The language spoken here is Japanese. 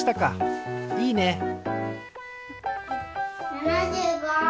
７５。